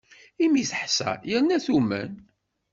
Imi teḥsa, yerna tumen.